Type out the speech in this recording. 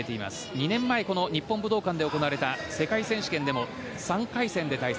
２年前、日本武道館で行われた世界選手権でも３回戦で対戦。